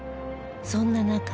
そんな中